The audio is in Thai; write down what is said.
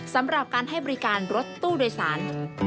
สำหรับการให้บริการรถตู้โดยสาร